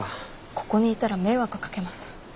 ここにいたら迷惑かけます。